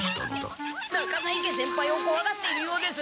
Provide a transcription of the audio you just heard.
中在家先輩をこわがっているようです。